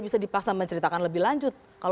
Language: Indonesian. bisa dipaksa menceritakan lebih lanjut kalau